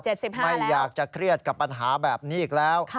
ไม่อยากจะเครียดกับปัญหาแบบนี้อีกแล้ว